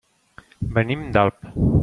Venim d'Alp.